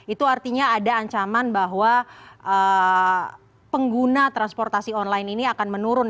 itu artinya ada ancaman bahwa pengguna transportasi online ini akan menurun